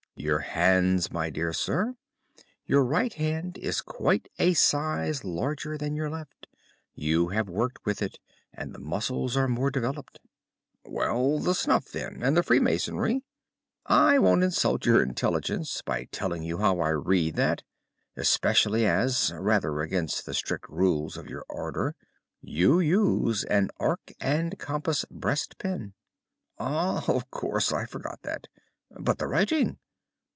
"Your hands, my dear sir. Your right hand is quite a size larger than your left. You have worked with it, and the muscles are more developed." "Well, the snuff, then, and the Freemasonry?" "I won't insult your intelligence by telling you how I read that, especially as, rather against the strict rules of your order, you use an arc and compass breastpin." "Ah, of course, I forgot that. But the writing?"